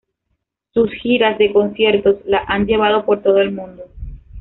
Sus giras de conciertos la han llevado por todo el mundo.